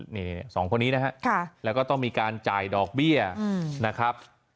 นี่สองคนนี้นะฮะแล้วก็ต้องมีการจ่ายดอกเบี้ยนะครับ